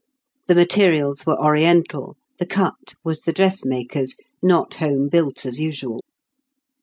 The materials were oriental; the cut was the dressmaker's—not home built, as usual.